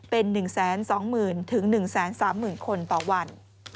เป็น๑๒๐๐๐๑๓๐๐๐คนต่อวัน